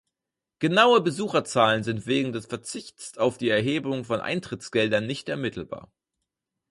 Genaue Besucherzahlen sind wegen des Verzichts auf die Erhebung von Eintrittsgeldern nicht ermittelbar.